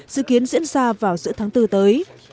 dự kiến diễn ra vào giữa tháng bốn tới